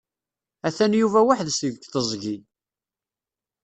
Atan Yuba weḥd-s deg teẓgi.